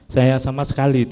saya sama sekali dipercaya